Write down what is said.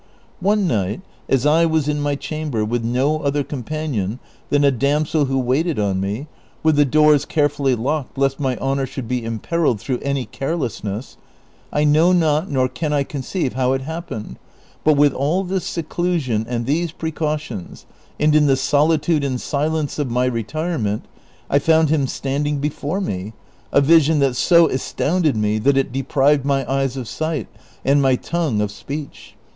One night, as I was in my chamber with no other companion than a damsel who waited on me, with the doors carefully locked lest my honor should be imperilled through any carelessness, I know not nor can I conceive how it hap pened, but, with all this seclusion and these precautions, and in the solitude and silence of my retirement, I found him standing before me, a vision that so astounded me that it deprived my eyes of sight, and my tongue of speech.